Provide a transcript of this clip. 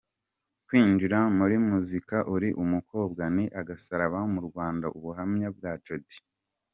Kwinjira muri muzika uri umukobwa ni agasaraba mu Rwanda, ubuhamya bwa Jody .